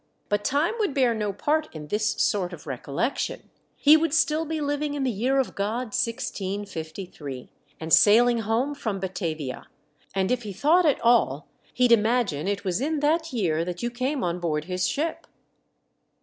But time would bear no part in this sort of recollection ; he would still be living in the year of God 1653, and cailing home from Batavia ; and if he thought at all he'd imagine it was in that year that: you came on board his ship."